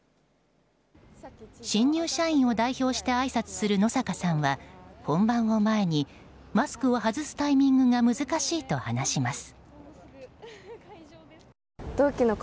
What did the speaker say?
新入社員を代表してあいさつする野坂さんは、本番を前にマスクを外すタイミングが難しいと話します。